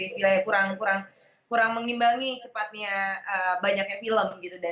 istilahnya kurang mengimbangi cepatnya banyaknya film gitu